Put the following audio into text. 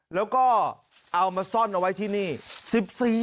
แล้วก็เอามาซ่อนเอาไว้ที่นี่